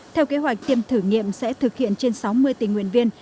theo kế hoạch tiêm thử nghiệm sẽ thực hiện trên sáu mươi tình nguyện viên